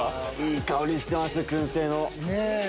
いい香りしてます薫製の。